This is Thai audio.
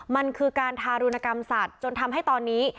มันคือการทารุณกรรมสัตว์จนทำให้ตอนนี้